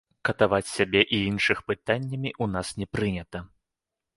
Катаваць сябе і іншых пытаннямі ў нас не прынята.